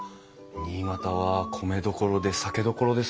新潟は米どころで酒どころですもんね。